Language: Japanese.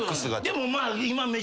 でもまあ。